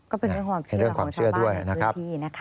ก็เป็นเรื่องความเชื่อด้วยนะครับ